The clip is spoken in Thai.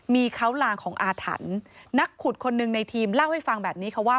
มีเขาลางของอาถรรพ์นักขุดคนหนึ่งในทีมเล่าให้ฟังแบบนี้ค่ะว่า